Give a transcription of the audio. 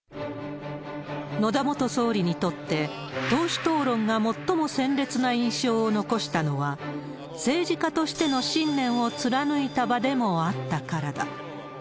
野田元総理にとって、党首討論が最も鮮烈な印象を残したのは、政治家としての信念を貫いた場でもあったからだ。